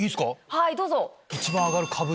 はいどうぞ。